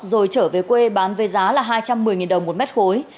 rồi trở về quê bán với giá là hai trăm một mươi đồng một mét khối